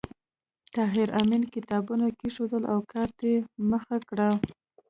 طاهر آمین کتابونه کېښودل او کار ته یې مخه کړه